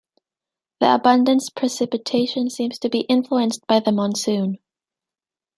The abundance precipitation seems to be influenced by the monsoon.